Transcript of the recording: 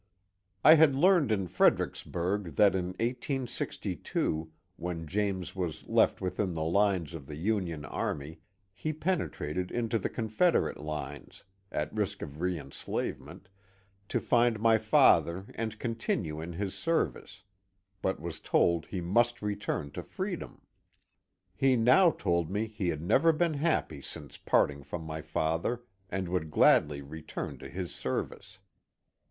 I had learned in Freder icksburg that in 1862, when James was left within the lines of the Union army, he penetrated into the Confederate lines, at risk of reenslavement, to find my father and continue in bis service, but was told he must return to freedom. He now told me he had never been happy since parting from my fa ther, and would gladly return to his service.